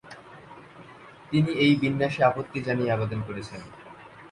তিনি এই বিন্যাসে আপত্তি জানিয়ে আবেদন করেছেন।